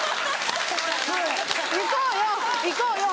行こうよ行こうよ。